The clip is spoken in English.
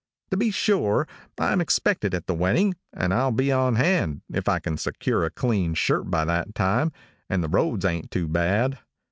To be sure, I am expected at the wedding, and I'll be on hand, if I can secure a clean shirt by that time, and the roads ain't too bad.